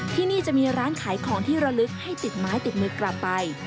ที่นี่จะมีร้านขายของที่ระลึกให้ติดไม้ติดมือกลับไป